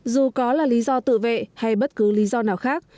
dù có là lý do tự vệ hay bất cứ lý do nào khác